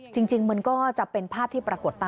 จริงมันก็จะเป็นภาพที่ปรากฏตาม